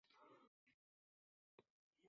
Tushuntirib so‘yla